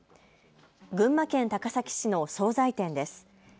群馬県高崎市の総菜店です。